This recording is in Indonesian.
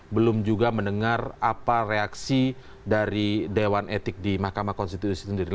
belum juga mendengar apa reaksi dari dewan etik di mahkamah konstitusi sendiri